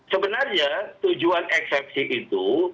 sebenarnya tujuan eksepsi itu